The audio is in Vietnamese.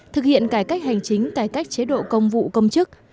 thực hiện cải cách hành chính cải cách chế độ công vụ công chức